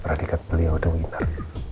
peradikat beliau the winner